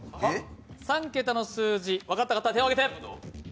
３桁の数字、分かった方、手を挙げて。